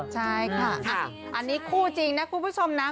ใช่ค่ะอันนี้คู่จริงนะคุณผู้ชมนะ